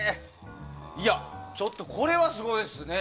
ちょっと、これはすごいですね。